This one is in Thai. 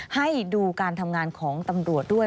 ให้ดูการทำงานของตำรวจด้วย